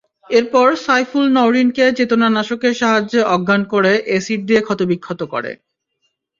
এরপর সাইফুল নওরীনকে চেতনানাশকের সাহায্যে অজ্ঞান করে অ্যাসিড দিয়ে ক্ষতবিক্ষত করে।